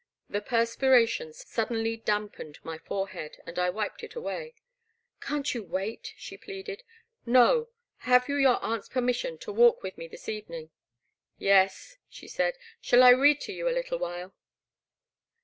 The perspiration sud denly dampened my forehead, and I wiped it away. Can't you wait ?" she pleaded. *' No. Have you your aunt's permission to walk with me this evening ?"*' Yes, '' she said, *' Shall I read to you a little while